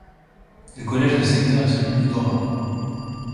Le collège de secteur est celui du Dorat.